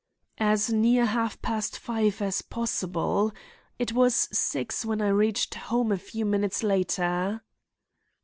"As near half past five as possible. It was six when I reached home a few minutes later."